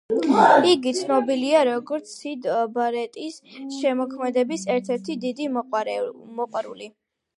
იგი ცნობილია, როგორც სიდ ბარეტის შემოქმედების ერთ-ერთი დიდი მოყვარული.